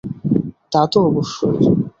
তা তো অবশ্যই।